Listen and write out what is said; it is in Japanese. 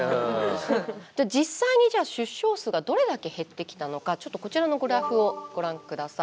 実際にじゃあ出生数がどれだけ減ってきたのかちょっとこちらのグラフをご覧ください。